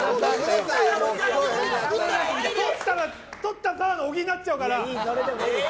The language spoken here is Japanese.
とったらただの小木になっちゃうから。